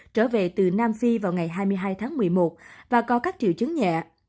trở về từ nam phi vào ngày hai mươi hai tháng một mươi một và có các triệu chứng nhẹ